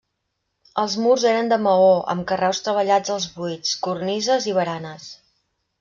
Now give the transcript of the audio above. Els murs eren de maó amb carreus treballats als buits, cornises i baranes.